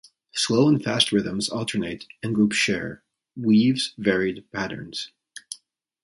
Slow and fast rhythms alternate and group Share: weaves varied patterns.